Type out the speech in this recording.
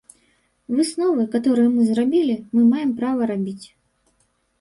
Высновы, каторыя мы зрабілі, мы маем права рабіць.